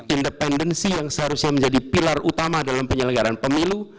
independensi yang seharusnya menjadi pilar utama dalam penyelenggaran pemilu